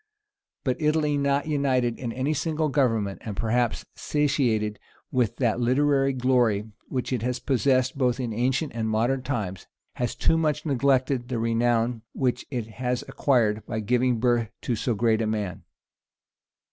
But Italy not united in any single government, and perhaps satiated with that literary glory which it has possessed both in ancient and modern times, has too much neglected the renown which it has acquired by giving birth to so great a man.